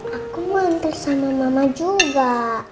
aku mau antar sama mama juga